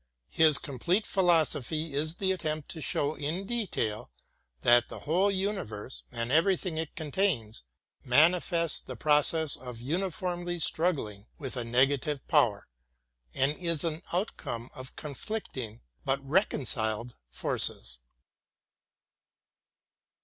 His com plete philosophy is the attempt to show in detail that the whole universe and everything it contains manifests the process of uniformly struggling with a negative power, and is an outcome of conflicting, but reconciled forces.